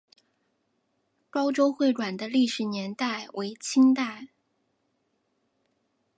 高州会馆的历史年代为清代。